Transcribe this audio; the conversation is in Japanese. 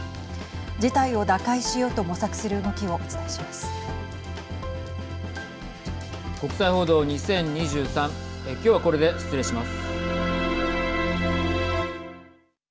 事態を打開しようと模索する動きをお伝えします。